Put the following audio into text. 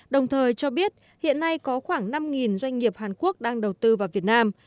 đồng thời cho biết hiện nay có khoảng năm doanh nghiệp hàn quốc đang đầu tư vào việt nam